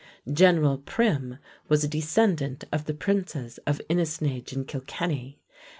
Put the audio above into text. General Prim was a descendant of the Princes of Inisnage in Kilkenny.